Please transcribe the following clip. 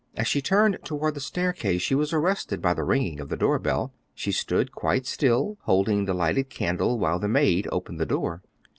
As she turned toward the staircase she was arrested by the ringing of the doorbell. She stood quite still, holding the lighted candle while the maid opened the door.